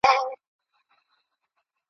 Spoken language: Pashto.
د کوټې چیلم یې هر څوک درباندي خوله لکوي !.